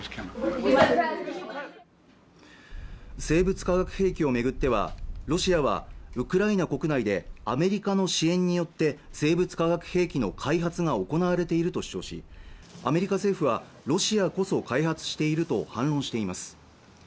生物化学兵器を巡ってはロシアはウクライナ国内でアメリカの支援によって生物化学兵器の開発が行われていると主張しアメリカ政府はロシアこそ開発していると反論しています